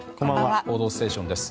「報道ステーション」です。